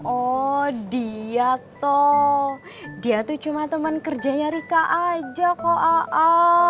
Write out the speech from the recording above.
oh dia toh dia tuh cuma temen kerjanya rika aja kok a'a